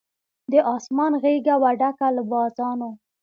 د آسمان غېږه وه ډکه له بازانو